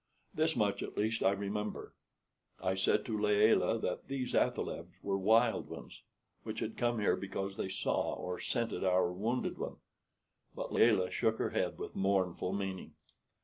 This much at least I remember. I said to Layelah that these athalebs were wild ones, which had come here because they saw or scented our wounded one; but Layelah shook her head with mournful meaning.